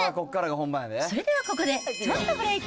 それではここでちょっとブレーク。